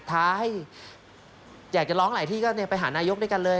ท้าให้อยากจะร้องหลายที่ก็ไปหานายกด้วยกันเลย